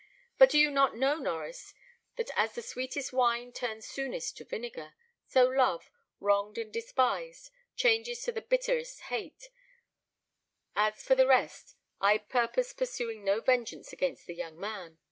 "But do you not know, Norries, that as the sweetest wine turns soonest to vinegar, so love, wronged and despised, changes to the bitterest hate; as for the rest, I purpose pursuing no vengeance against the young man.